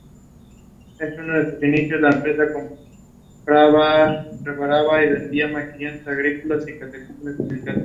En sus inicios, la empresa compraba, reparaba y vendía maquinaria agrícola y carretillas ex-militares.